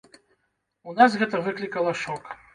У нас гэта выклікала шок.